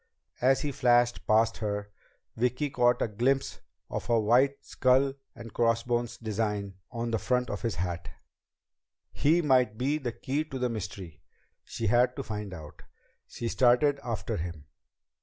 As he flashed past her, Vicki caught a glimpse of a white skull and crossbones design on the front of his hat. He might be the key to the mystery! She had to find out! She started after him.